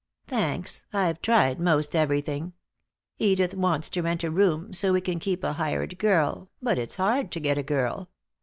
"Thanks. I've tried most everything. Edith wants to rent a room, so we can keep a hired girl, but it's hard to get a girl.